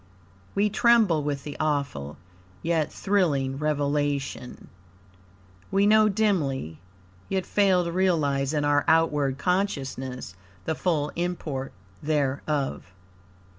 We tremble with the awful, yet thrilling, revelation. We know dimly, yet fail to realize in our outward consciousness the full import thereof.